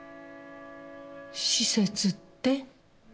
施設って。